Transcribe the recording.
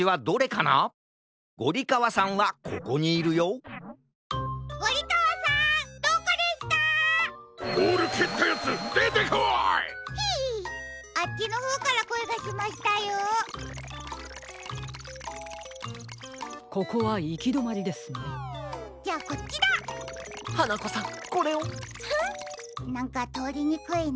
なんかとおりにくいな。